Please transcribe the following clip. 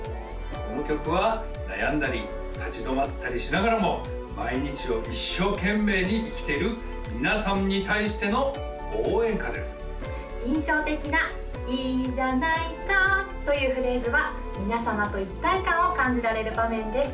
この曲は悩んだり立ち止まったりしながらも毎日を一生懸命に生きている皆さんに対しての応援歌です印象的ないいじゃないか！というフレーズは皆様と一体感を感じられる場面です